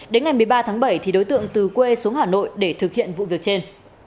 đến ngày một mươi ba tháng bảy thì đối tượng từ quê xuống hà nội để thực hiện vụ việc trên